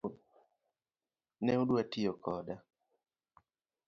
Ne udwa tiyo koda.